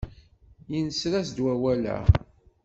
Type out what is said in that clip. Yenser-as-d wawal-a.